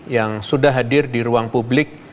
yang sudah hadir di ruang publik